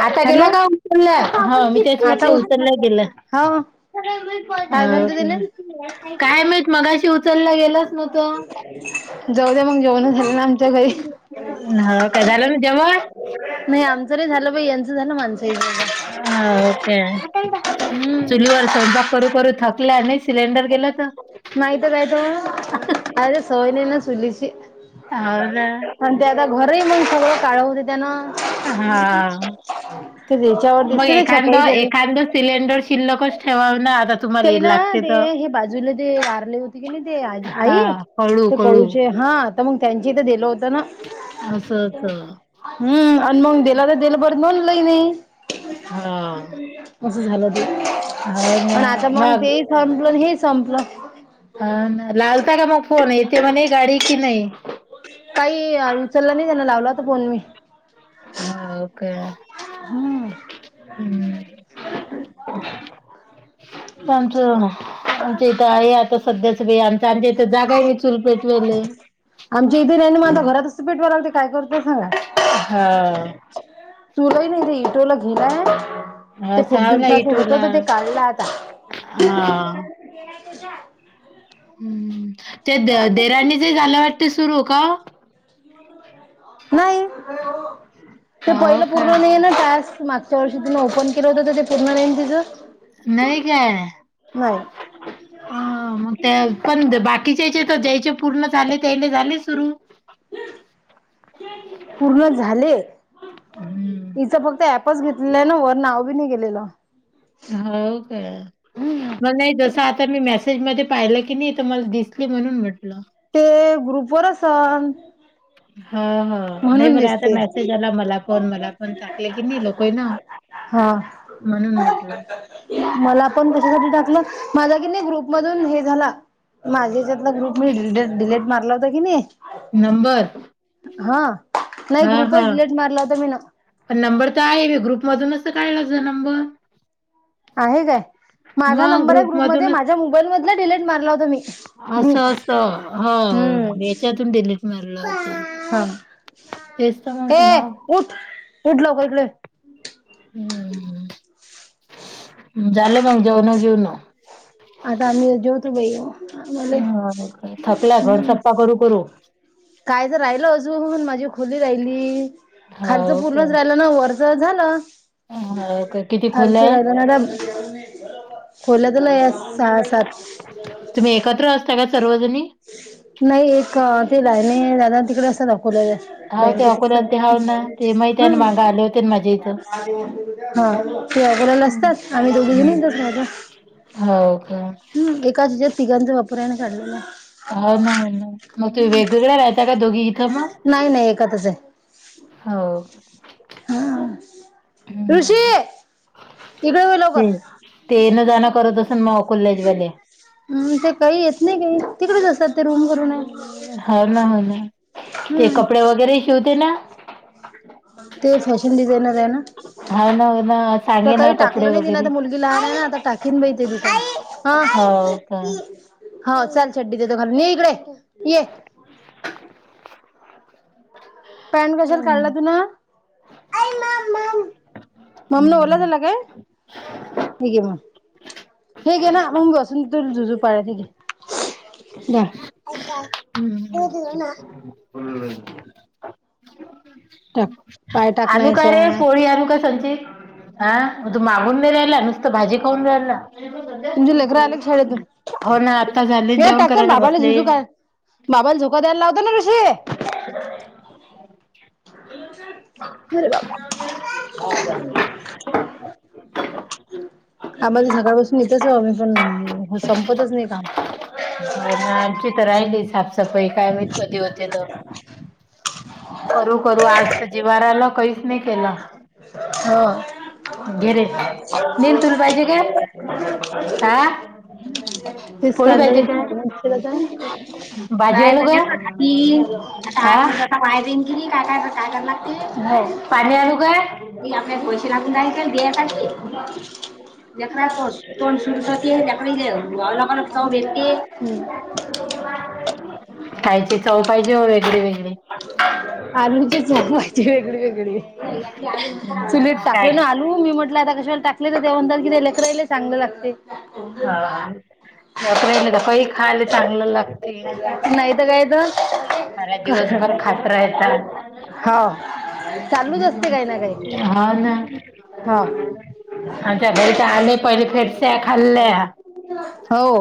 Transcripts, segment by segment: आता हॅलो गेला का उचलल्या. ह मी तेच आता म्हटल उज उचलल्या गेलं. हा काय झालत त्याने काय माहित मगाशी उचललं गेला च नवत. जाऊ द्या मग जेवण झाले ना आमच्या घरी हो काय? झालं ना जेवण? नाही आमचं नाही झालं बाई. यांचं झालं माणसांयच. हाव का? चुलीवर स्वयंपाक करू करू थकल्या नाही. सिलेंडर गेलं त? नाहित काय त. अर सवय नही ना चूलीची. हो ना आणि ते आता घरही मग सगळं काळ होते त्यान. हा, ते त्याच्यावर म दिसते ते एखाद छपाई केले एखांद सिलेंडर शिल्लकच ठेवाव ना. आता ते तुम्हाला ना लागते ते तर हे बाजूला ते वारले होते. की नाही ते आ आई. हा कळू ते कळू कळूचे. हा, त म त्यांच्या इथ दिलं होतं ना. असं असं. हम्म अन् मग देल त देल परत नोदलई नाही. अस झाल ते. हाव ना. त मग तेही संपलंन. हेही संपलं. हाव ना. लावता का म फोन? येते म्हणे गाडी की नाही? काही उचला नाही त्यांना लावला फोन मी हो का हम् हम्म [unintelligible] आमचं आमच इथं आहे आता सध्याच बाई आमच आमच्या जागाय नाही चुलपेटवायले आमच्या इथे नाही ना आता घरात पेटवा लागते काय करतय सांगा. हा चुल ही नाही ते इटोला गेलाय ते खूप साव ना दिवसाचं इटूला होत ते काढलं आता हा तो गेलाय त्याचा हम् ते देरानी च झालं वाटत सुरू काव [unintelligible] नाही [unintelligible] भाऊ ते हो पहिलं का पूर्ण नाहीे ना टास्क मागच्या वर्षी तिन ओपन केलं होत तर ते पूर्ण नाही तिचं नाही काय होवे. अ मग त्या पण बाकीच्याचे तर ज्याचे पूर्ण झाले त्याले झाले सुरू. एकीकडे मग पूर्ण झाले. हम्म इचं फक्त ऍपच घेतलेलं आहे ना वर नाव बी नाही गेलेलं हो काय?. हम्म. मग नाही जस आता मी मेसेज मध्ये पाहिलं की नाही तर मला दिसली म्हणून म्हटलं. ते अ ग्रुप वर असल हा हा. नाही मला आता दिसते मेसेज आला मला पण मला पण टाकलं की नाही लकोय ना. हम. म्हणून म्हटलं. मला पण कशसाठी टाकलं माझा की नाही ग्रुप मधून हे झाला माझ्या यांच्यात. मला ग्रुप मध्ये मी डि डिलेट मारला होता की नाही. नंबर. हा नाही हां ग्रुपच हां डीलेट मारला होता मी ना. पण नंबर तर आहे मी ग्रुप मधूनच त काढला तुझा जा नंबर. आहे काय माझा मग नंबर आहे ग्रुप मध्ये ग्रुपमधूनच माझ्या मोबाईल मधला डिलीट मारला होता मी. ग्रुप असं असं हम्म हो याच्यातून डिलीट मारलं होता. हा. तेच तर ए म्हटलं उठ उठ लवकर इकडे. हम्म ह झालं मग जेवण गीवन. आता आम्ही जवतो बाई मले हो का थकला घर हम. सप्पा करू करू. काय तर राहिलं अजून माझी खोली राहिली खालच हो का. पूर्णच राहिलं ना वर. च झालं हो का किती खालच खोल्या आहेत? राहिलं ना. खोल्यात लय हाय सहा सात. तुम्ही एकत्र असता का सर्वजणी. नाही एक ते लहाने दादा तिकडे असं अकोल्याला हाव ते बँक अकोल्याला ते असतात हाव ना ते माहिती आहे ह ना मागं आले होते ना माझ्या इथं. हा ते अकोल्याले हम्म. असतात. आम्ही दोघ जणी हम्म इथच राहतो ह हो का एक. एकाच याच्यात तिघांचा वापर आहे ना काढलेला. हो ना हो ना मग तू वेग वेगळ्या राहता का दोघी इथं मग. नाही नाही एकातच हाय. हो. हा, हम्म ऋषीऽऽ तिकडे होई लवकर. ते ते येणं जाणं करत असेल मग अकोल्याजवाले हम्म ते काही येत नाही काही, तिकडेच असतात. ते रूम करून आहे हो ना हो ना, ते हम्म कपडे वगैरे शिवते ना. ते फॅशन डिजायनर आएना. हाव ना हो ना तर सांगे ना काही कपडे टाकलं नाही तिला वगैरे तर मुलगी लहान आहे, ना आता टाकीन बहिती तिथं,, हा. हां. हो चल चडडी देतो घालून, ये इकडे, ये. पॅन्ट कशाल काढला हम्म. तु नं. ममनं ओला हम्म झाला काय? हे घे मघ. हे गे ना मग ग असून तो जुजो पार नके. [unintelligible] ब का द देव ना [inaudible] [inaudible] हो. पाय आणू काय टाकण्याच्या रे पोळी आणू का संचित? अं मग तू मागून नाही रायला,, नुसतं भाजी खाऊन रायला. तुमचे लेकरं आले का शाळेतून हो ना, आता झाले हे जेवण टाकतो ना करायला बाबाला बसले. झुजू काय बाबाला झोका द्यायला लावतो ना ऋषी. [inaudible] अरे बापरे! आम्ही पण सकाळ पसून इथच आओ, आम्ही पण संपतच नाही कामं. हो ना आमची तर राहिली साफसफाई,, काय माहित कधी होते त. करू करू आज तर जीवावर आलं, काहीच नाही केलं. हो. [unintelligible] घे रे नील तुला पाहिजे का हा [unintelligible] ती पोळी पाहिजे का आता भाजी काय आणू का करणार की, हा बाहेर निघून गेली ती काय काय करणार पाणी आणू ती. का [unintelligible] लेकराचं तोंड सूजते, ते अलग अलग चव भेटते. खायची चव पाहिजे ओ वेगळे वेगळी. आरूणची झोपायची वेगळी वेगळी, हम्म, चुलीत टाकलं काय ना रू मी म्हटलं आता कशाला टाकलं, तर ते म्हणतात की ते लेकराला चांगलं लागते. हां हां,, लेकराला तर कैई खायला चांगलं लागते. नाही तर काय सारा तर,, दिवसभर खात राहायचा. हो. चालूच असते काही ना काही. हा ना हा आमच्या घरी तर आले पहिले फेरच्या खाल्ल्या. हो,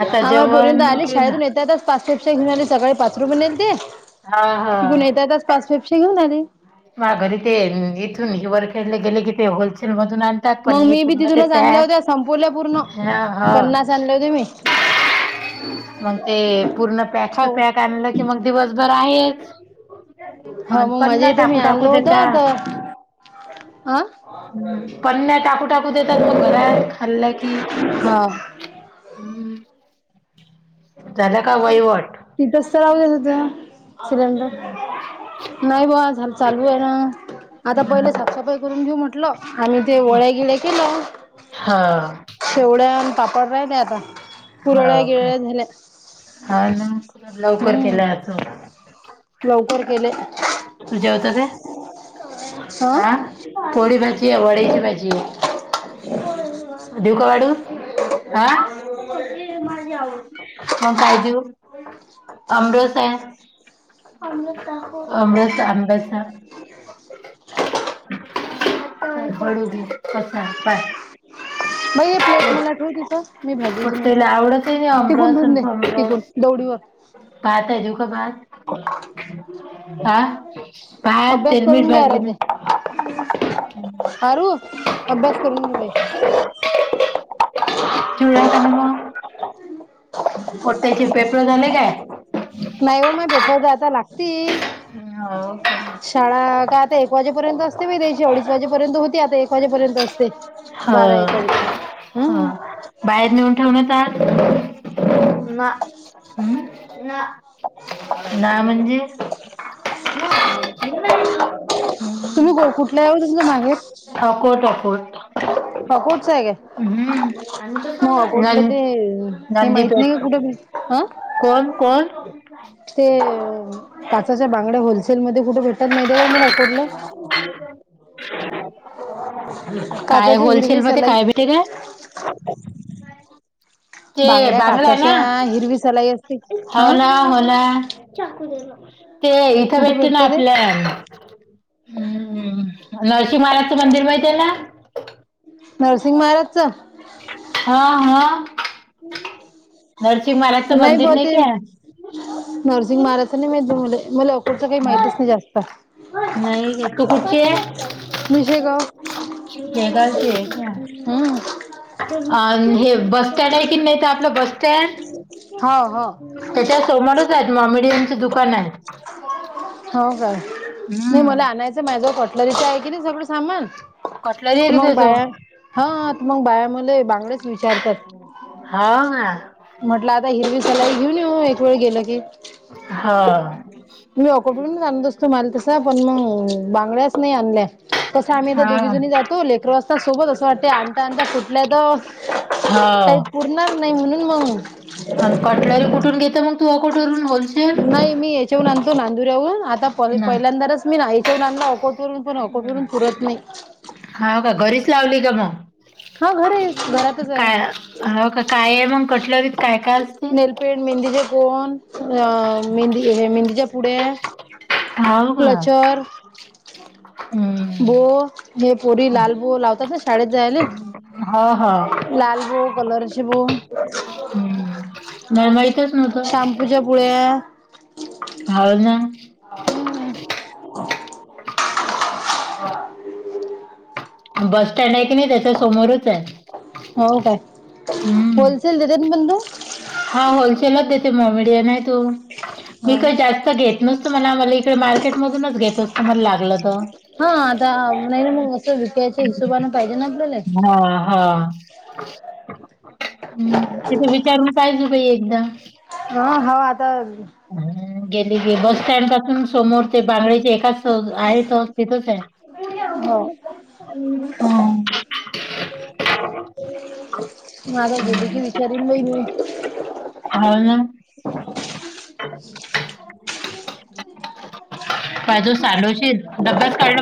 आता आम्हा पोरी जेवण आले केलं. शाळेतून येता येताच पाच पेपस्या घेऊन आली, सकाळी पाच रुपये नेलते,, हा हा तिकडून येता येताच पाच पेप्सया घेऊन आले. माघारी ते, इथून हिवर खेडले गेले की ते होलसेलमधून आण. त्यातपण मग मी बी पूर्ण ते तिथूनच आणल्या पॅक,, होत्या संपवल्या पूर्ण हां हं पन्नास आणले होते मी मगं ते पूर्ण पॅकच खाऊन पॅक आणलं की मग दिवसभर आहेच, हा मग पण माझ्या नाही इथं टाक मी ठ टाकू आणलं देेता होतं तर आ पण नाही टाकू टाकू देतात मग घरात खाल्लं की हा झाल का वहीवट? तिथच तर तिथ राहू दे तिथ सिलेंडर. नाही बुवा चालू आहे ना आता पहिल हम्म साफसफाई करून घेऊ म्हटल. आणि ते वळे गीळे केल. हां शेवया आणि पापड राहिल्या आता कुरडया गिरड्या झाल्या आता हां ना लवकर केला आज मी. लवकर केले तू जेवतो का? हा पोळी भाजी आहे वड्याची भाजी आहे. देऊ का वडी हां मग काय देऊ? आमरस हाय आमरस तो आंब्याचा. पडू दे बाई हे प्लेट मला ठेव तिथं मी [unintelligible] भाजी घेऊन येते पोट्टीला आवडत ही नाही तिकून आमरस ठेवून आणि दे तिकून फमरस. दौडीवर भात आहे देऊ का भात हां भात तेल मीठ भात घे ना. आरू अभ्यास करून घे बाई. चिवडा खाण बा. पोट्ट्यांचे पेपर झाले काय? नाही हो पेपर आता लागतील. [unintelligible] शाळा का आता एक वाजेपर्यंत असते बाई त्याची अडीच वाजेपर्यंत होती आता एक वाजेपर्यंत असते. बारा एक ह वाजेपर्यंत ह हम्म. बाहेर नेऊन ठेवून ये जा. [inaudible] ना म्हणजे हम्म तुम्ही कुठल्या ओ तुमच माहेर? [unintelligible] कुठचाही घ्या. हम्म हां कूठल नं ते हे माहित नाही का नंदीपेठ कुठ हं कोण कोण? ते काचेच्या बांगड्या होलसेलमध्ये कुठ भेटतात माहीत आहे का तुम्हाला आकु [unintelligible] ला. काय काचाच्या होलसेल हिरवी मध्ये सलाई काय भेटतय का? ते बांगड्या बांगडा ना काचच्या हिरवी सलाये हो ना हो ना ते इथ कुठे भेटती ना भेटते ते आपल्या हम्म नर्शी महाराजांच मंदिर माहीती आहे ना? नरसिंग महाराजच. हां हां नरसिंग महाराजच मंदिर ब नाही ते का. नरसिंग महाराजच नाही माहीत नाही बा मले मला कुठल काही माहीतच नाही जास्त. नाही ग तू कुठची आहे? मी शेगाव शेगाव ची हाय का? हम्म आण हे बस स्टँड आहे की नाही ते आपल बस स्टँड हो हो त्याच्या समोरच हायेत मॉमेडियमच दुकान आहे. हो काय नाही हम्म मला आणायचय माझ कटलरीच आहे की नाही सगळ सामान. कटलरी आहे का मंग तो? बाया मग बाया मले बांगड्याच विचारतात. हाव काय? म्हटलं आता हिरवी सलाई घेऊन येऊ, एक वेळ गेलं की हा मी [unintelligible] आणत असतो मालं तसं पण मग बांगड्याच नायी आणल्या कस आम्ही आता हा. दोघी जणी जातो लेकरु असतात सोबत असं वाटतंय आणता आणता फुठल्या तर काही हा पुरणार नायी म्हणून मंग नः काॅटरलं कुठून घेते मग? तू अकोटवरून होलसेल? नाही मी याच्याहून आणतो नांदुऱ्याहून आता पर ना. पहिल्यांदाच मी नाही [unintelligible] पुरत नायी हाव का? घरीच लावली का म? हा घर आहे घरातच आहे काय, हो का, कायय मग कटलरीत काय काय असतं? पेन मेहंदीचे कोन अ मेहंदी हे मेहंदीच्या पुड्या हाव का? क्लचर हम्म ते पोरी लाल बो लावतात ना शाळेत जायले? हो हो. लाल बो, कलरचे बो हम्म मला माहितच नव्हतं शॅम्पूच्या पुड्या हाव ना [unintelligible] बस स्टँडय कणी त्याच्या समोरचंय हो काय? होलसेल देतेना तु? हाव होलसेलच देते म [unintelligible] नाय तो मी हो ना काय जास्त घेत नसतो मला, मला इकडे मार्केट मधूनच घेत आसतो मला लागलं त हा आता नाही ना मग असं विकायच्या हिशोबाने पाहिजे ना आपल्याले? हा हा हम्म, तिथ विचारून पाय ना बाई एकदा हं हं आता गेली गे बस स्टँड पासून सोमोर ते बांगळेचे एकाच आहे त तिथचय हो हा [inaudible] माझ गेले की विचारी बाई मी हाव नं [unintelligible] [inaudible] बाय तो साडवशील डब्बाच काढण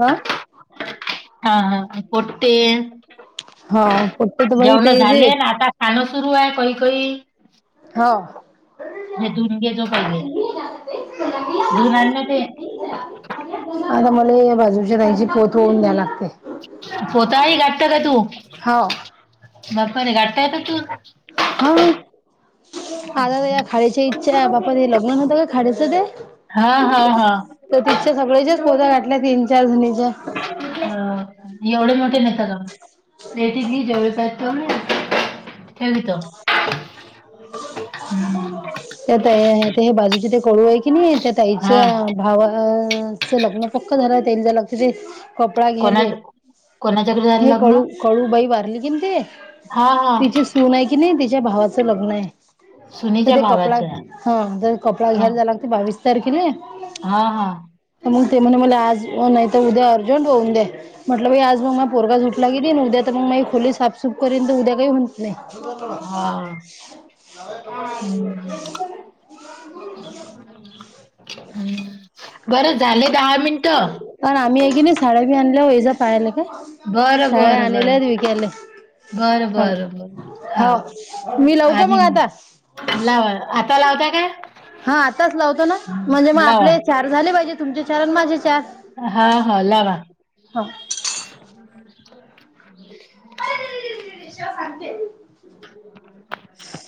हा [inaudible] हा हा पटते हा पोट्टे तर बाई जेवण तेज झाले आहेत. न आता खाणं सुरूय कायी कायी हो [unintelligible] धुवून घे जो पहिले धुवून आण ना ते आता मला बाजूच्या ताईची पोत वोऊन द्याय लागते पोतायी घाटता का तू? हा बाप्पारे गाटता येत का तू? हा हा आता या खाडीची इच्छाय, बापा ते लग्न होतं का खाडेचं ते? हा हा हा तर तिच्या सगळ्याच्याच पोत्या गाठल्या तीन चार जणीच्या [inaudible] हं एवढे मोठे नेता लोकं भेटीतली जेवढे पा तेवढी ठेव इथं [inaudible] [inaudible] हम्म. त्या ताई बाजूचे ते कळू आहे की नाही हा त्यांच्या भावाच लग्न पक्क झाल त्याच ते कपडा कोणा घ्यायले. कोणाच्याकडे झालं हे लग्न कळू कळूबाई वारली की नाही हा ते हा तिची सून आहे किनय तिच्या भावा च लग्न आहे तर सुनीच्या ते कपडा भावाचं आहे. हे ते कपडा घायला जा बावीस तारखेला आहे. हां हां मग ते म्हणे मला आज नाही तर उद्या अर्जंट होऊन दे. म्हटल बाई आज मग पोरगा झोपला की नाही मग उद्या तर मग मायी खोली साफसूफ करेन तर उद्या काही होत हा नाही हम्म. [inaudible] बर झाले दहा मिन कारण आम्ही एक नी साड्या बी आणल्या एज पाहाला काय. बरं साड्या बरं आणल्या बरं विकाले. बरं बरं बरं हाव हो मी लाऊ का आणि मग आता? लावा आता लावता काय? हां आताच लावतो ना म्हणजे मग आपले चार झाले पाहिजे तु हां हां लावा हां [inaudible] [unintelligible] सांगते [inaudible]